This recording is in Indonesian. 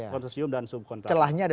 konsorsium dan subkon celahnya ada